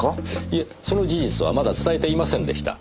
いえその事実はまだ伝えていませんでした。